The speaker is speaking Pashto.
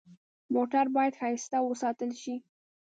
موټر باید ښایسته وساتل شي.